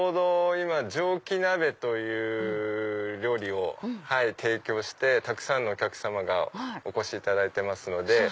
今蒸気鍋という料理を提供してたくさんのお客様がお越しいただいてますので。